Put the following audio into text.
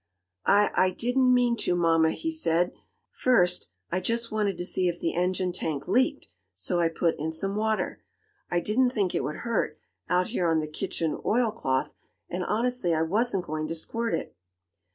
"I I didn't mean to, mamma," he said "First I just wanted to see if the engine tank leaked, so I put in some water. I didn't think it would hurt, out here on the kitchen oil cloth, and honestly I wasn't going to squirt it."